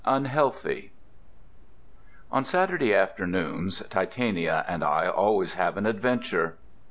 UNHEALTHY On Saturday afternoons Titania and I always have an adventure.